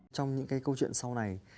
trong những cái câu chuyện sau này